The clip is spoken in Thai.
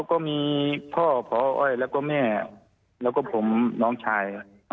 ก็มีพ่อพออ้อยแล้วก็แม่แล้วก็ผมน้องชาย